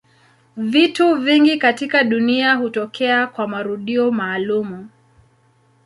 Vitu vingi katika dunia hutokea kwa marudio maalumu.